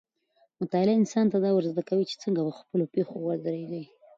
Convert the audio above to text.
مطالعه انسان ته دا ورزده کوي چې څنګه په خپلو پښو ودرېږي.